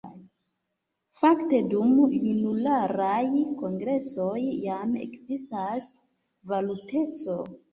Fakte dum junularaj kongresoj jam ekzistas “valuteto”.